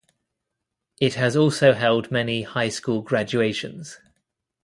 It has also held many high school graduations.